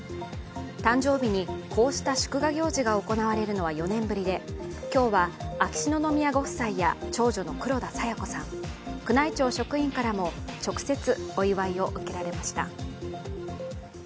誕生日にこうした祝賀行事が行われるのは４年ぶりで今日は秋篠宮ご夫妻や長女の黒田清子さん、宮内庁職員からも直接お祝いを受けられました。